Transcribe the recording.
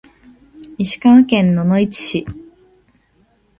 石川県野々市市